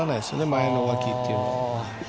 前のわきというのが。